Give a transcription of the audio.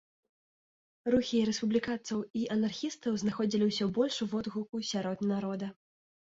Рухі рэспубліканцаў і анархістаў знаходзілі ўсё большы водгуку сярод народа.